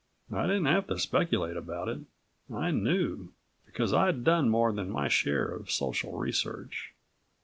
I didn't have to speculate about it. I knew, because I'd done more than my share of social research.